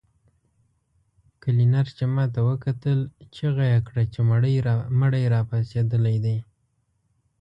کلينر چې ماته وکتل چيغه يې کړه چې مړی راپاڅېدلی دی.